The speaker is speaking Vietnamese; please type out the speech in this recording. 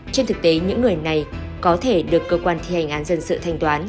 trên thực tế những người này có thể được cơ quan thi hành án dân sự thanh toán